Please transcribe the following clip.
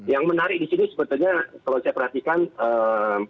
yang menarik di sini sebenarnya kalau saya perhatikan kang emion